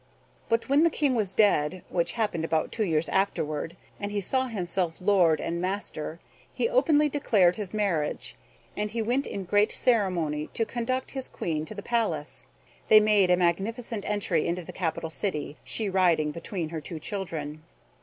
But when the King was dead, which happened about two years afterward, and he saw himself lord and master, he openly declared his marriage; and he went in great ceremony to conduct his Queen to the palace. They made a magnificent entry into the capital city, she riding between her two children.